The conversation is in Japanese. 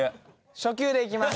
初級でいきます。